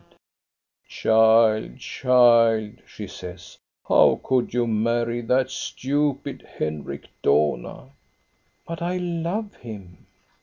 Child, child," she says, " how could you marry that stupid Henrik Dohna?" " But I love him."